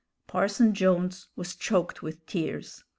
Parson Jones was choked with tears.